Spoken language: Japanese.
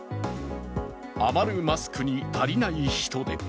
余るマスクに、足りない人手。